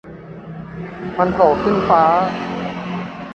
มันโผล่ขึ้นฟ้า